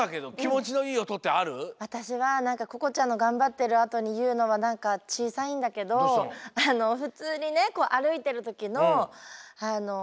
わたしはなんかここちゃんのがんばってるあとにいうのはなんかちいさいんだけどふつうにねあるいてるときのヒールのおと。